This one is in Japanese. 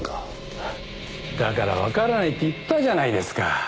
だからわからないって言ったじゃないですか。